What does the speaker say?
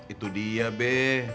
itu dia be